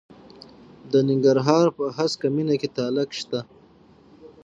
د ننګرهار په هسکه مینه کې تالک شته.